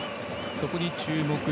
そこに注目。